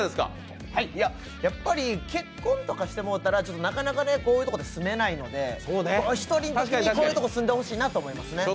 やっぱり結婚とかしてもうたら、なかなかこういうところに住めないので１人のときにこういうとこに住んでほしいなと思います。